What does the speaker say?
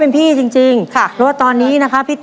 แล้ววันนี้ผมมีสิ่งหนึ่งนะครับเป็นตัวแทนกำลังใจจากผมเล็กน้อยครับ